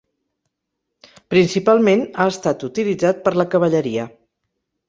Principalment ha estat utilitzat per la cavalleria.